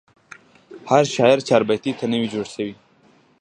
هر شاعر چاربیتې ته نه وي جوړسوی.